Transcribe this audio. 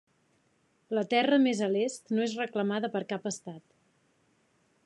La terra més a l'est no és reclamada per cap estat.